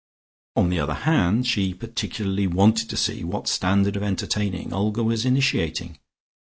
On the other hand she particularly wanted to see what standard of entertaining Olga was initiating.